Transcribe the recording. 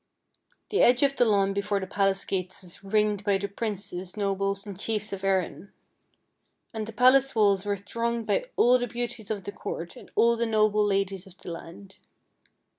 The edge of the lawn before the palace gates was ringed by the princes, nobles, and chiefs of Erin. And the palace walls were thronged by all the beauties of the Court and all the noble THE HOUSE IN THE LAKE 47 ladies of the land.